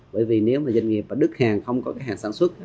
bởi vì nếu mà doanh nghiệp và đức hàng không có cái hàng sản xuất